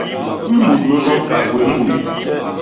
Mut nunu a gwéé ñguy.